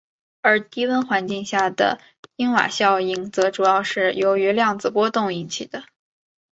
而低温环境下的因瓦效应则主要是由于量子波动引起的。